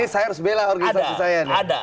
ini saya harus bela organisasi saya